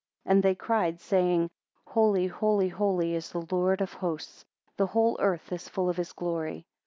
And they cried, saying, Holy, holy, holy is the Lord of hosts; The whole earth is full of his glory.